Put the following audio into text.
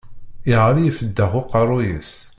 Yeɣli ifeddex uqerru-s!